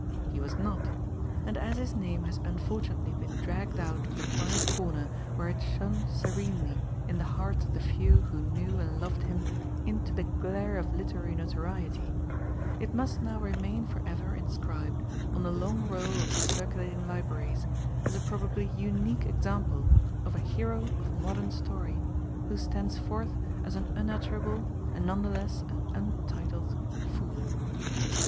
He was not. And as his name has unfortunately been dragged out of the quiet comer where it shone serenely in the hearts of the few who knew and loved him into the glare of literary notoriety, it must now remain for ever inscribed on the long roll of the Circulating Libraries as a probably unique example of a hero of modem story who stands forth as an unutterable, and nonetheless an un titled, fool. 206 GOD'S FOOL.